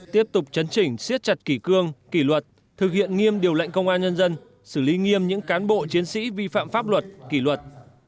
tiếp tục chấn chỉnh siết chặt kỷ cương kỷ luật thực hiện nghiêm điều lệnh công an nhân dân xử lý nghiêm những cán bộ chiến sĩ vi phạm pháp luật kỷ luật